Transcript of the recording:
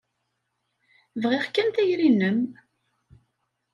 Bɣiɣ kan tayri-nnem.